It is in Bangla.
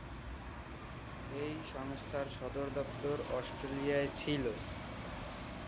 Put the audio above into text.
এই সংস্থার সদর দপ্তর অস্ট্রেলিয়ায় ছিল।